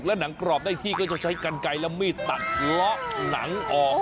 เออจริง